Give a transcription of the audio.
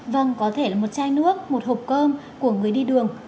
vâng có thể là một chai nước một hộp cơm của người đi đường